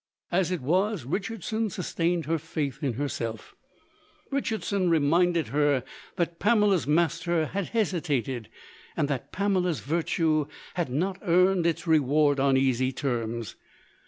As it was, Richardson sustained her faith in herself; Richardson reminded her that Pamela's master had hesitated, and that Pamela's Virtue had not earned its reward on easy terms.